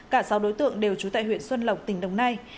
cả sáu đối tượng đều trú tại huyện xuân lộc tỉnh đồng nai